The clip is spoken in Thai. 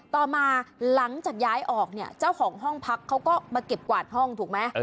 ต่อมาหลังจากย้ายออกเนี่ยเจ้าของห้องพักเขาก็มาเก็บกวาดห้องถูกไหม